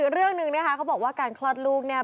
เรื่องหนึ่งนะคะเขาบอกว่าการคลอดลูกเนี่ย